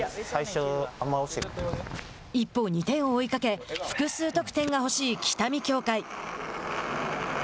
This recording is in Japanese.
一方、２点を追いかけ複数得点が欲しい北見協会。